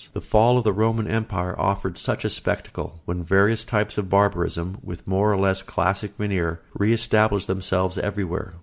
The fall of the Roman Empire offered such a spectacle, when various types of barbarism, with a more or less classic veneer, re established themselves everywhere.